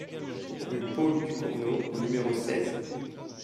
Rue Paul Ducournau au numéro seize